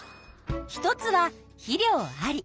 一つは「肥料あり」